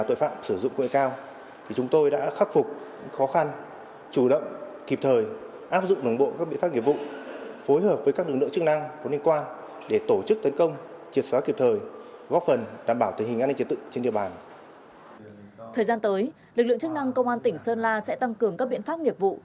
thời gian tới lực lượng chức năng công an tỉnh sơn la sẽ tăng cường các biện pháp nghiệp vụ